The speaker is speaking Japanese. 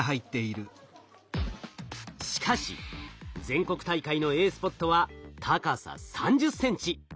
しかし全国大会のＡスポットは高さ３０ｃｍ。